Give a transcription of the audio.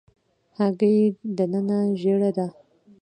هګۍ دننه ژېړه ده.